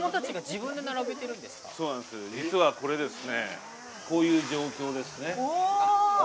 これは実はこれですねこういう状況ですね